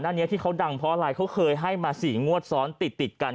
อันนี้ที่เขาดังเพราะอะไรเขาเคยให้มา๔งวดซ้อนติดติดกัน